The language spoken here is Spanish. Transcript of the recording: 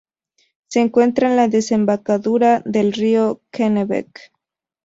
Se encuentra en la desembocadura del río Kennebec.